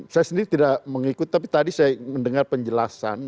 saya sendiri tidak mengikut tapi tadi saya mendengar penjelasan